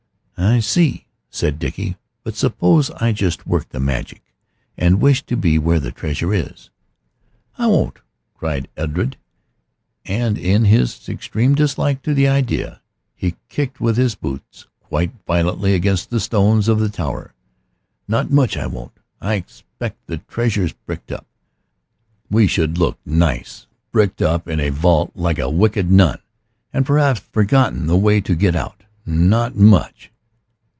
"I see," said Dickie. "But suppose I just worked the magic and wished to be where the treasure is?" "I won't," cried Edred, and in his extreme dislike to the idea he kicked with his boots quite violently against the stones of the tower; "not much I won't. I expect the treasure's bricked up. We should look nice bricked up in a vault like a wicked nun, and perhaps forgotten the way to get out. Not much."